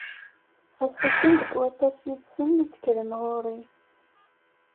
Ɣas akken deg waṭas yid-sen i d-kkren ɣur-i.